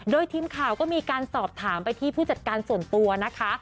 โดยทีมข่าวก็มีการสอบถามไปที่ผู้จัดการส่วนตัวนะคะ